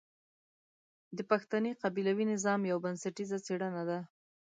د پښتني قبيلوي نظام يوه بنسټيزه څېړنه ده.